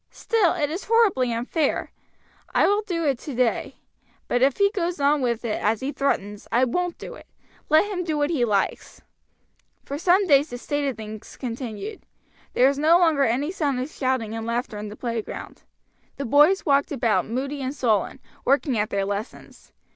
Still, it is horribly unfair. I will do it today. But if he goes on with it, as he threatens, I won't do it, let him do what he likes." For some days this state of things continued. There was no longer any sound of shouting and laughter in the playground. The boys walked about moody and sullen, working at their lessons.